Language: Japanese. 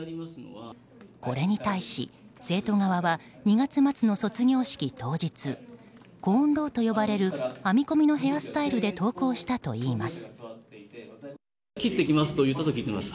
これに対し生徒側は２月末の卒業式当日コーンロウと呼ばれる編み込みのヘアスタイルで登校したといいます。